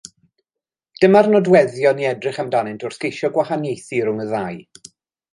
Dyma'r nodweddion i edrych amdanynt wrth geisio gwahaniaethu rhwng y ddau.